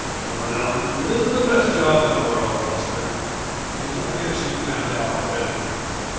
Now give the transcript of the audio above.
"Well, it isn't the best job in the world, Buster, as I guess you've found out already.